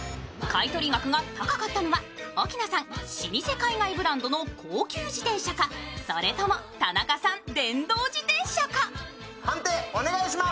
買取額が高かったのは、奧菜さん老舗海外ブランドの高級自転車かそれとも田中さん、電動自転車か。